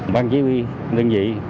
băng chí huy đơn vị